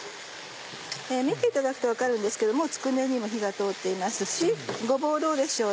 見ていただくと分かるんですけどもつくねにも火が通っていますしごぼうどうでしょう？